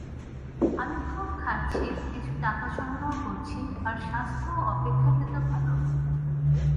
আমি খুব খাটছি, কিছু টাকা সংগ্রহ করছি, আর স্বাস্থ্যও অপেক্ষাকৃত ভাল।